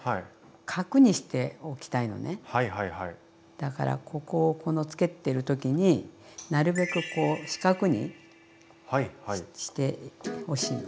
だからここをこのつけてる時になるべくこう四角にしてほしいの。